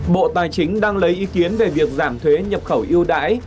bộ tài chính đang lấy ý kiến về việc giảm thuế nhập khẩu yêu đãi